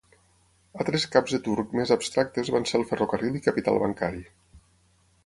Altres "caps de turc" més abstractes van ser el ferrocarril i capital bancari.